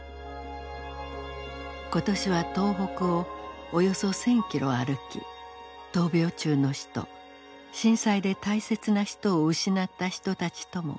今年は東北をおよそ１，０００キロ歩き闘病中の人震災で大切な人を失った人たちとも語らいました。